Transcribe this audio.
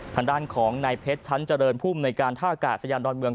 ทางด้านของนายเพชรชั้นเจริญภูมิในการท่ากาศยานดอนเมือง